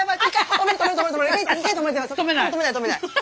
止めない止めない。